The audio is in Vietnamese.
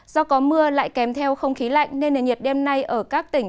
do có mưa lại kèm theo không khí lạnh nên nền nhiệt đêm nay ở các tỉnh